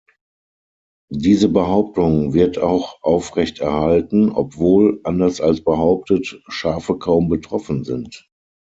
Diese Behauptung wird auch aufrechterhalten, obwohl, anders als behauptet, Schafe kaum betroffen sind.